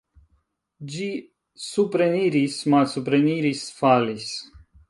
Ĝi supreniris, malsupreniris, falis.